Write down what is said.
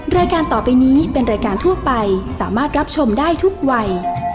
รายการต่อไปนี้เป็นรายการทั่วไปสามารถรับชมได้ทุกวัย